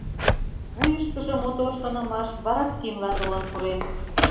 Вуйышкыжо мотор шонымаш вараксимла толын пурен.